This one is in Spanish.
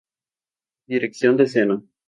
Dirección de Escena